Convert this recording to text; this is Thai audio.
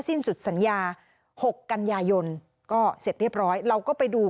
สิ้นสุดสัญญา๖กันยายนก็เสร็จเรียบร้อยเราก็ไปดู